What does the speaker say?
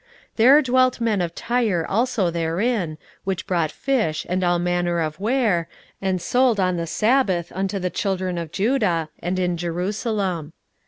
16:013:016 There dwelt men of Tyre also therein, which brought fish, and all manner of ware, and sold on the sabbath unto the children of Judah, and in Jerusalem.